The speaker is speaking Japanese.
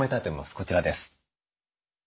こちらです。